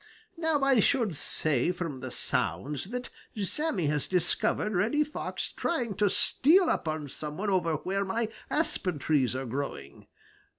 Now, I should say from the sounds that Sammy has discovered Reddy Fox trying to steal up on some one over where my aspen trees are growing.